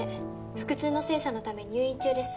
腹痛の精査のため入院中です。